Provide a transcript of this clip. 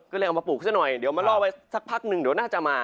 ก็เลยเอามาปลูกซะหน่อยเดี๋ยวมาล่อไว้สักพักนึงเดี๋ยวน่าจะมา